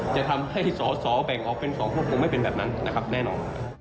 จะทำให้สอแบ่งออกเป็นสองคนคงไม่เป็นแบบนั้นแน่นอน